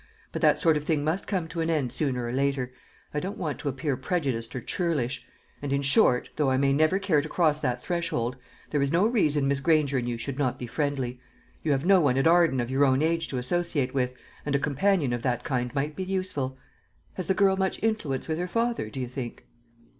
But that sort of thing must come to an end sooner or later. I don't want to appear prejudiced or churlish; and in short, though I may never care to cross that threshold, there is no reason Miss Granger and you should not be friendly. You have no one at Arden of your own age to associate with, and a companion of that kind might be useful. Has the girl much influence with her father, do you think?"